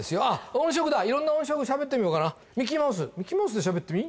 音色だ色んな音色喋ってみようかなミッキーマウスミッキーマウスで喋ってみ？